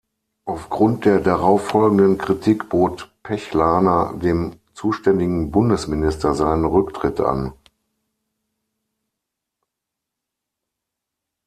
Auf Grund der darauffolgenden Kritik bot Pechlaner dem zuständigen Bundesminister seinen Rücktritt an.